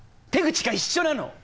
手口が一緒なの！